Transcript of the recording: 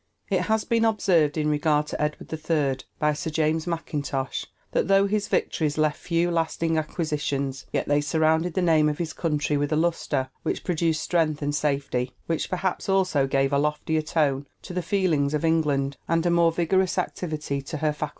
It has been observed, in regard to Edward III., by Sir James Mackintosh, that "though his victories left few lasting acquisitions, yet they surrounded the name of his country with a lustre which produced strength and safety; which perhaps also gave a loftier tone to the feelings of England, and a more vigorous activity to her faculties."